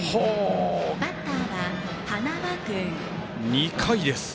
２回です。